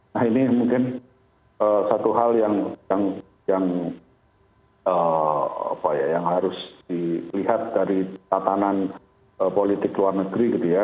nah ini mungkin satu hal yang harus dilihat dari tatanan politik luar negeri gitu ya